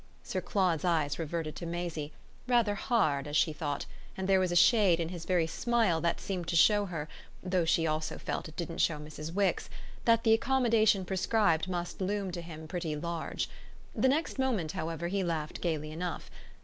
Sir Claude's eyes reverted to Maisie, rather hard, as she thought; and there was a shade in his very smile that seemed to show her though she also felt it didn't show Mrs. Wix that the accommodation prescribed must loom to him pretty large. The next moment, however, he laughed gaily enough.